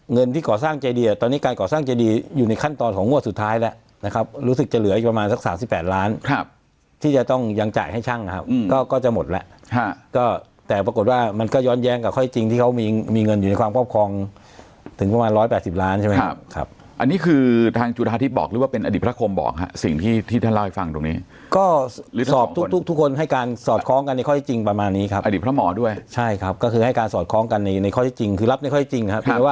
เงินที่ก่อสร้างเจดีอ่ะตอนนี้การก่อสร้างเจดีอยู่ในขั้นตอนของงวดสุดท้ายแล้วนะครับรู้สึกจะเหลืออีกประมาณสักสามสิบแปดล้านครับที่จะต้องยังจ่ายให้ช่างนะครับอืมก็ก็จะหมดแล้วฮะก็แต่ปรากฏว่ามันก็ย้อนแย้งกับข้อที่จริงที่เขามีมีเงินอยู่ในความครอบครองถึงประมาณร้อยแปดสิบล้านใช่ไหมครับครั